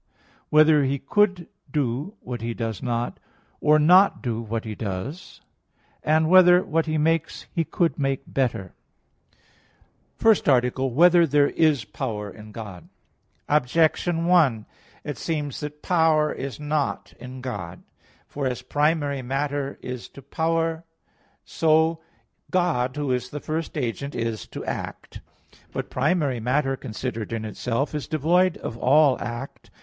(5) Whether He could do what He does not, or not do what He does? (6) Whether what He makes He could make better? _______________________ FIRST ARTICLE [I, Q. 25, Art. 1] Whether There Is Power in God? Objection 1: It seems that power is not in God. For as primary matter is to power, so God, who is the first agent, is to act. But primary matter, considered in itself, is devoid of all act.